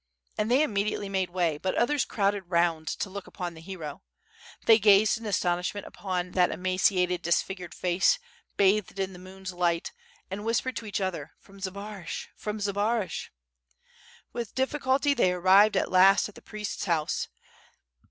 And they immediately made way, but others crowded round to look upon the hero. They gazed in astonishment upon that emaciated, disfigured face, bathed in the moon's light and whispered to each other: "From Zbaraj ... from Zbaraj!" ... With difficulty they arrived at last at the priest's house.